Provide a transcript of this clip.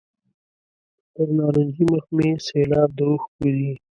پر نارنجي مخ مې سېلاب د اوښکو ځي.